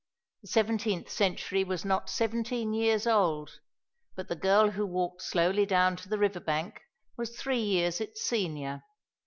The seventeenth century was not seventeen years old, but the girl who walked slowly down to the river bank was three years its senior.